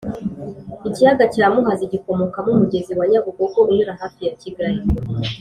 ikiyaga cya muhazi gikomokamo umugezi wa nyabugogo unyura hafi ya kigali